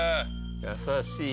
優しい。